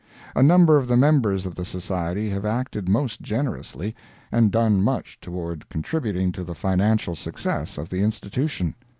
A number of the members of the Society have acted most generously, and done much toward contributing to the financial success of the institution.